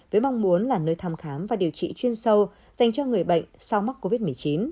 với mong muốn là nơi thăm khám và điều trị chuyên sâu dành cho người bệnh sau mắc covid một mươi chín